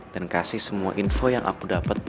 dan kasih semua info yang aku dapet